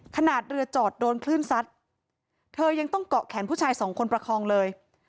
ขนาดเรือจอดโดนคลื่นซัดเธอยังต้องเกาะแขนผู้ชายสองคนประคองเลย